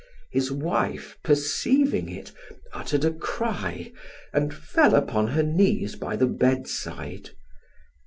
His wife, perceiving it, uttered a cry and fell upon her knees by the bedside.